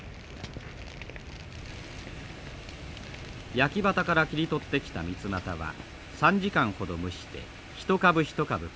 焼畑から切り取ってきたミツマタは３時間ほど蒸して一株一株皮を剥ぎます。